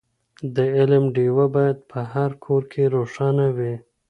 د علم ډېوه باید په هر کور کې روښانه وي.